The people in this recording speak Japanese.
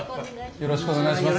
よろしくお願いします。